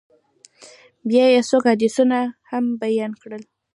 بيا يې څو حديثونه هم بيان کړل.